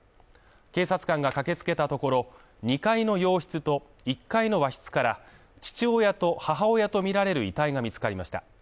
警察官が駆けつけたところ、２階の洋室と１階の和室から、父親と母親とみられる遺体が見つかりました。